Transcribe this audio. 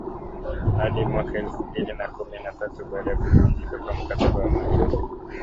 hadi mwaka elfu mbili na kumi na tatu baada ya kuvunjika kwa mkataba wa amani